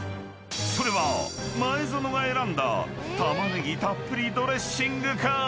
［それは前園が選んだたまねぎたっぷりドレッシングか？］